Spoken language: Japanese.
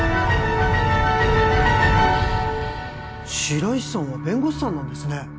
白石さんは弁護士さんなんですね